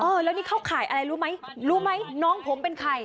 แล้วนี่เข้าข่ายอะไรรู้ไหมรู้ไหมน้องผมเป็นใคร